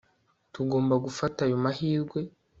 tugomba gufata ayo mahirwe